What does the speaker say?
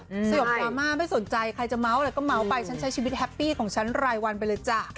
สยบดราม่าไม่สนใจใครจะเมาส์อะไรก็เมาส์ไปฉันใช้ชีวิตแฮปปี้ของฉันรายวันไปเลยจ้ะ